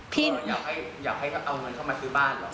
หนูอยากให้เอาเงินเข้ามาซื้อบ้านเหรอ